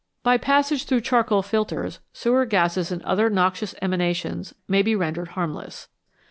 By passage through charcoal filters sewer gases and other noxious emanations may be rendered harmless.